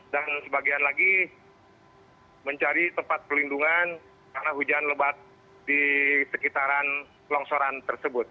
dan sebagian lagi mencari tempat pelindungan karena hujan lebat di sekitaran longsoran tersebut